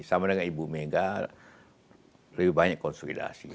sama dengan ibu mega lebih banyak konsolidasi